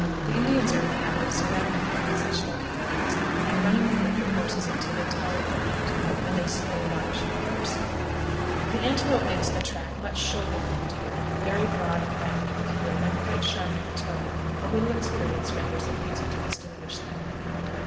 The Indians are in the habit of surrounding them in such localities and running them with their horses until they tire them out, when they slay large numbers. [Illustration: CALLING UP ANTELOPES.] The antelope makes a track much shorter than the deer, very broad and round at the heel, and quite sharp at the toe; a little experience renders it easy to distinguish them.